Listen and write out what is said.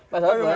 pak asaud dulu